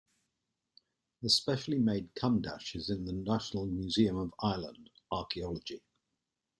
The specially made cumdach is in the National Museum of Ireland - Archaeology.